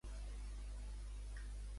Qui va ser la progenitora de Melanipe?